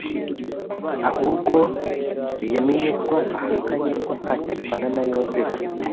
ahubwo yamenye ko ahakanye ko ntacyo apfana na Yosefu,